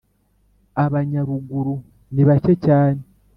abanyaruguru ni bake cyane